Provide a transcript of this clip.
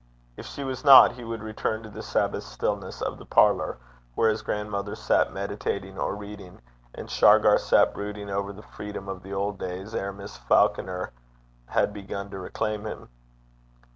If she was not, he would return to the Sabbath stillness of the parlour, where his grandmother sat meditating or reading, and Shargar sat brooding over the freedom of the old days ere Mrs. Falconer had begun to reclaim him.